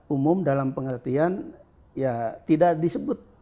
umum dalam pengertian ya tidak disebut